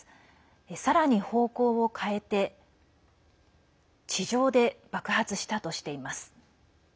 さらに、方向を変えて地上で爆発したとしています。